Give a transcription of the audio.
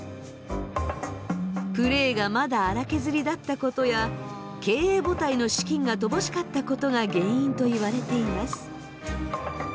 プレーがまだ粗削りだったことや経営母体の資金が乏しかったことが原因といわれています。